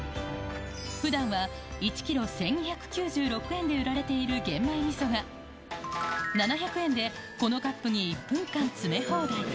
ふだんは１キロ１２９６円で売られている玄米みそが、７００円でこのカップに１分間、詰め放題。